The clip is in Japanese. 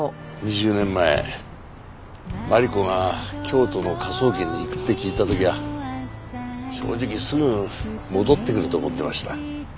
２０年前マリコが京都の科捜研に行くって聞いた時は正直すぐ戻ってくると思ってました。